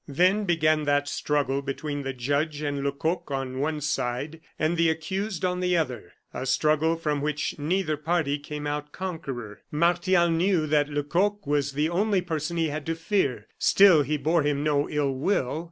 Then began that struggle between the judge and Lecoq on one side, and the accused on the other a struggle from which neither party came out conqueror. Martial knew that Lecoq was the only person he had to fear, still he bore him no ill will.